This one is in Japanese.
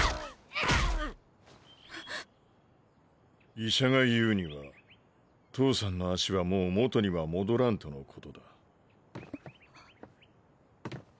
医者が言うには父さんの足はもう元には戻らんとのことだ。